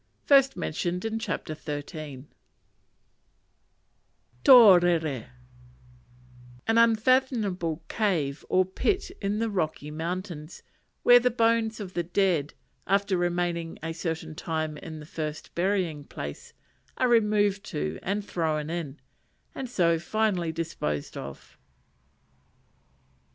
p. 179. Torere An unfathomable cave, or pit, in the rocky mountains, where the bones of the dead, after remaining a certain time in the first burying place, are removed to and thrown in, and so finally disposed of.